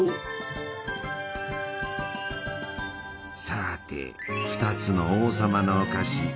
さて２つの「王様のお菓子」。